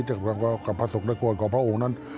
จากประสบประกวดพระองค์นั้น